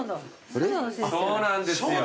そうなんですよ。